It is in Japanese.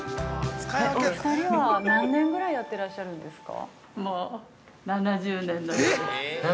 ◆お二人は、何年ぐらいやってらっしゃるんですか。